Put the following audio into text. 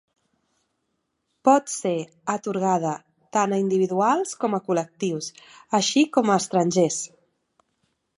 Pot ser atorgada tant a individuals com a col·lectius, així com a estrangers.